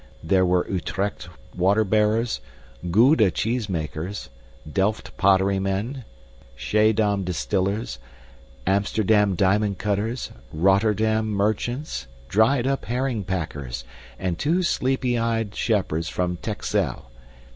There were Utrecht water bearers, Gouda cheesemakers, Delft pottery men, Schiedam distillers, Amsterdam diamond cutters, Rotterdam merchants, dried up herring packers, and two sleepy eyes shepherds from Texel.